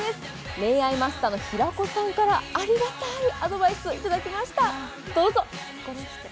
恋愛マスターの平子さんからありがたいアドバイスいただきました、どうぞ。